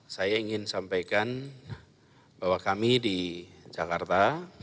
saya ingin sampaikan bahwa kami di jakarta